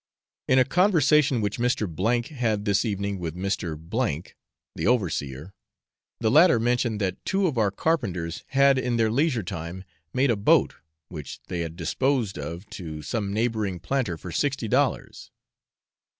In a conversation which Mr. had this evening with Mr. O , the overseer, the latter mentioned that two of our carpenters had in their leisure time made a boat, which they had disposed of to some neighbouring planter for sixty dollars.